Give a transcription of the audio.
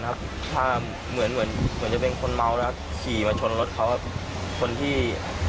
เหมือนจะเป็นคนเมาแล้วถึงขี่แล้วเขาเจ้าหนวดลดเหมือนอาจทรงรถที